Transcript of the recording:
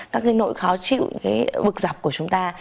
các nỗi khó chịu bực dọc của chúng ta